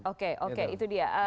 oke oke itu dia